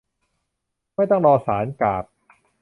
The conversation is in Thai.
ไม่ต้องรอศาล กาก